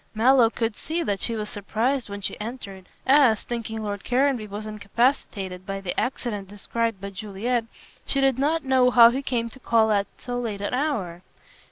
Mallow could see that she was surprised when she entered, as, thinking Lord Caranby was incapacitated by the accident described by Juliet, she did not know how he came to call at so late an hour.